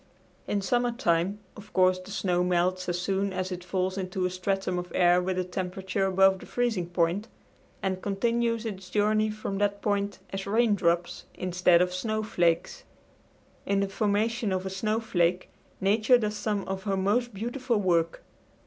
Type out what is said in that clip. In summer time of course the snow melts as soon as it falls into a stratum of air with a temperature above the freezing point, and continues its journey from that point as raindrops instead of snowflakes. In the formation of a snowflake Nature does some of her most beautiful work.